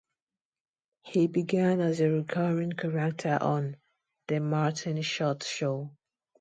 He began as a recurring character on "The Martin Short Show".